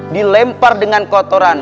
dilempar dengan kotoran